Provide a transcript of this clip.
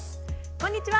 こんにちは。